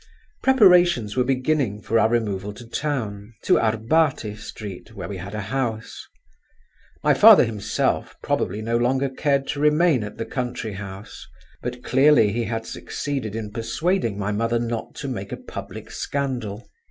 Preparations were beginning for our removal to town, to Arbaty Street, where we had a house. My father himself probably no longer cared to remain at the country house; but clearly he had succeeded in persuading my mother not to make a public scandal.